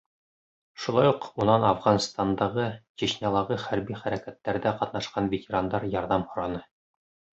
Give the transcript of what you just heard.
Шулай уҡ унан Афғанстандағы, Чечнялағы хәрби хәрәкәттәрҙә ҡатнашҡан ветерандар ярҙам һораны.